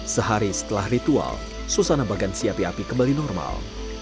seharian setelah ritual susah nabagan si api api kembali normal